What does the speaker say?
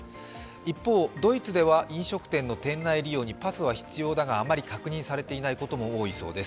一方、ドイツでは飲食店の店内利用にパスは必要だがあまり確認されていないことも多いそうです。